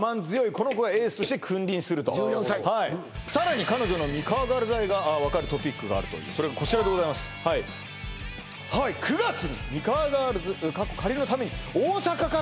この子がエースとして君臨すると１４歳さらに彼女のミカワガールズ愛が分かるトピックがあるというそれがこちらでございますえっそんな本気なの？